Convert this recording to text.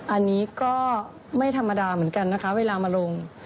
อันนี้ก็ไม่ธรรมดาเหมือนกันนะคะเวลามาลง